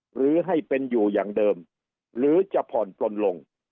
หรือให้เป็นอยู่อย่างเดิมหรือจะผ่อนปลนลง